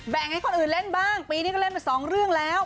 ให้คนอื่นเล่นบ้างปีนี้ก็เล่นมาสองเรื่องแล้ว